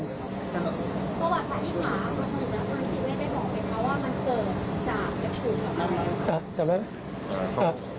ประวัติภาพที่หมามันถึงแล้วมันไม่ได้บอกไปเพราะว่ามันเกิดจากศูนย์หรืออะไร